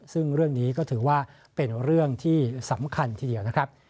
ซึ่งเรื่องนี้ก็ถือว่าเป็นเรื่องที่สำคัญทีเดียวนะครับ